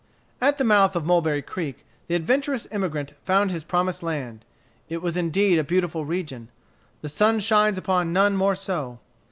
At the mouth of Mulberry Creek the adventurous emigrant found his promised land. It was indeed a beautiful region. The sun shines upon none more so.